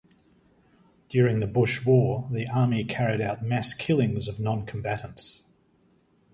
During the Bush War the army carried out mass killings of non-combatants.